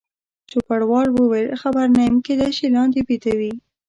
چوپړوال وویل: خبر نه یم، کېدای شي لاندې بیده وي.